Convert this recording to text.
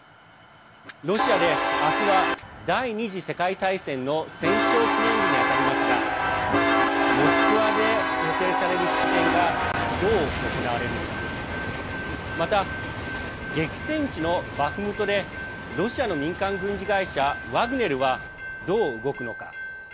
ロシアで明日は第２次世界大戦の戦勝記念日に当たりますがモスクワで予定される式典がどう行われるのかまた激戦地のバフムトでロシアの民間軍事会社ワグネルはどう動くのか。